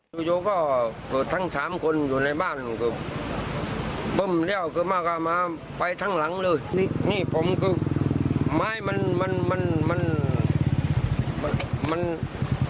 นี่มาอยู่บ้านเพื่อนก่อนทักระยะหนึ่งแล้วก็ไปปลูกเล็กทักหลังหนึ่ง